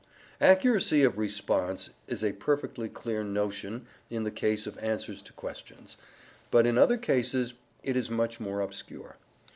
Accuracy of response is a perfectly clear notion in the case of answers to questions, but in other cases it is much more obscure.